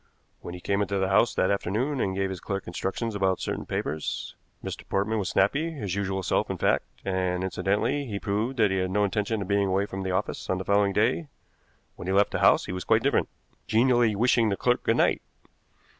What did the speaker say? When he came into the house that afternoon and gave his clerk instructions about certain papers Mr. Portman was snappy, his usual self, in fact, and, incidentally, he proved that he had no intention of being away from the office on the following day; when he left the house he was quite different, genially wishing the clerk good night.